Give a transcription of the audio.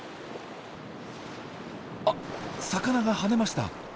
あっ魚が跳ねました。